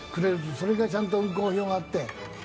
それがちゃんと運行表があって。